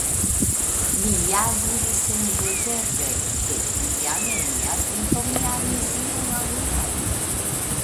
Mi ja diris senrezerve, ke iam en mia vivo mi amis iun alian.